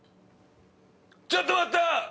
ちょっと待った！